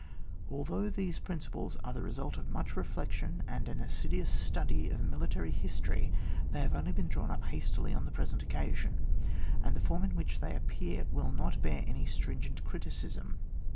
Although these principles are the result of much reflection and an assiduous study of military history, they have only been drawn up hastily on the present occasion, and the form in which they appear will not bear any stringent criticism.